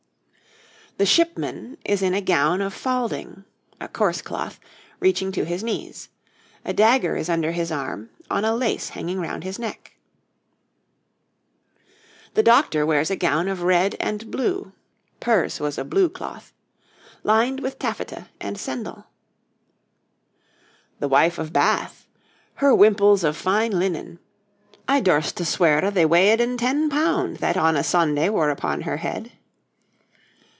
THE SHIPMAN is in a gown of falding (a coarse cloth), reaching to his knees. A dagger is under his arm, on a lace hanging round his neck. THE DOCTOR wears a gown of red and blue (pers was a blue cloth) lined with taffeta and sendal. [Illustration: {The wife of Bath}] THE WIFE OF BATH. Her wimples of fine linen 'I dorste swere they weyeden ten pound That on a Sonday were upon hir heed.'